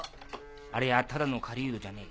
ありゃあただの狩人じゃねえ。